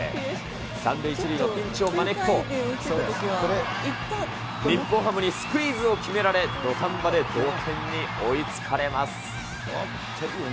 ３塁１塁のピンチを招くと、日本ハムにスクイズを決められ、土壇場で同点に追いつかれます。